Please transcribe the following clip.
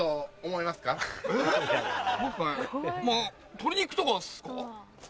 鶏肉とかっすか？